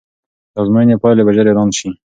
د ازموینې پایلې به ژر اعلان سي.